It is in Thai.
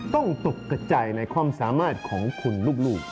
ตกกระจายในความสามารถของคุณลูก